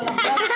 udah gak apa apa